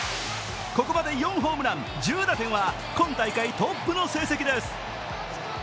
ここまで４ホームラン、１０打点は今大会トップの成績です。